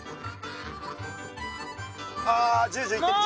ああジュジュ言ってる。